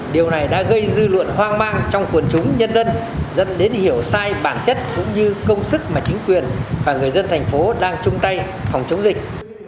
điều này đã gây dư luận hoang mang trong quần chúng nhân dân dẫn đến hiểu sai bản chất cũng như công sức mà chính quyền và người dân thành phố đang chung tay phòng chống dịch